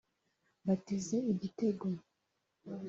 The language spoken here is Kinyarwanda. Mbateze Igitego